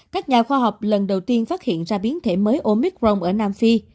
các nhà khoa học lần đầu tiên phát hiện ra biến thể mới omicron ở nam phi